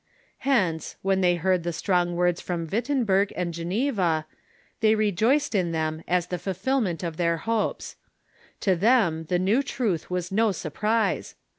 Hence, when they heard the strong words from "Wittenberg and Geneva, they rejoiced in them as the fulfil ment of their hopes. To them the new truth was no surprise.